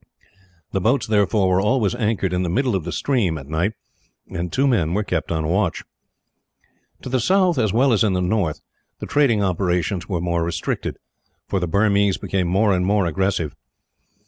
The boats, therefore, were always anchored in the middle of the stream at night and two men were kept on watch. To the south as well as in the north, the trading operations were more restricted; for the Burmese became more and more aggressive.